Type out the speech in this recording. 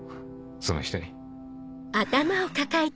その人に。